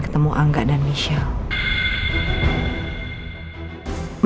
ketemu angga dan michelle